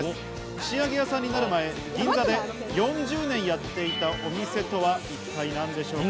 串揚げ屋さんになる前、銀座で４０年やっていたお店とは一体何でしょうか？